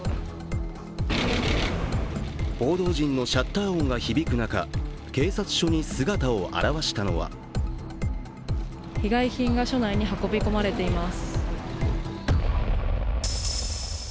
報道陣のシャッター音が響く中、警察署に姿を現したのは被害品が署内に運び込まれています。